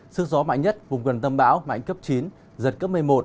sức gió mạnh nhất vùng gần tâm bão mạnh cấp chín giật cấp một mươi một